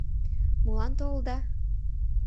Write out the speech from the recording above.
— Молан толыда?